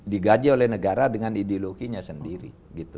digaji oleh negara dengan ideologinya sendiri